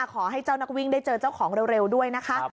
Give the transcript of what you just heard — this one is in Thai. ขอให้เจ้านักวิ่งได้เจอเจ้าของเร็วด้วยนะคะ